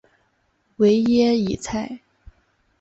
维耶伊莱。